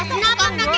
emang udah so